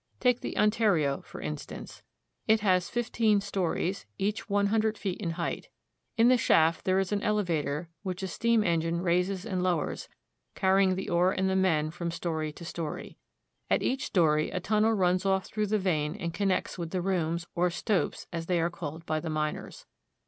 Take the Ontario, for instance. It has fifteen stories, each one hundred feet in height. In the shaft there is an elevator which a steam engine raises and lowers, carrying the ore and the men from story to story. At each story a tunnel runs off through the vein and connects with the rooms, or stopes, as they are called by the miners.